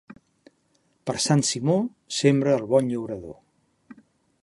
Per Sant Simó sembra el bon llaurador.